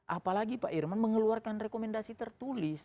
apalagi pak irman mengeluarkan rekomendasi tertulis